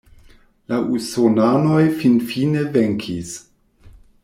La usonanoj finfine venkis.